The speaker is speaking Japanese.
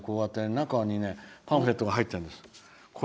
中に、パンフレットが入ってるんです。